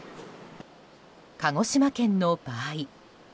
鹿児島県の場合。